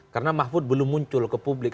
karena mafud belum muncul ke publik